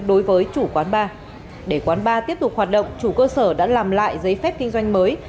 đối với chủ quán bar để quán bar tiếp tục hoạt động chủ cơ sở đã làm lại giấy phép kinh doanh mới